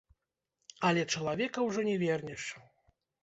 Але чалавека ўжо не вернеш.